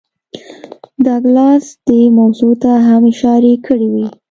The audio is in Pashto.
ډاګلاس دې موضوع ته هم اشارې کړې وې